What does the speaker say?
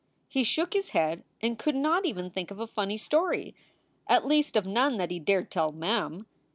He shook his head and could not even think of a funny story, at least of none that he dared tell Mem.